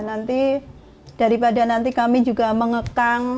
nanti daripada nanti kami juga mengekang